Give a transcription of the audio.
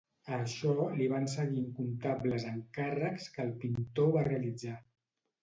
A això li van seguir incomptables encàrrecs que el pintor va realitzar.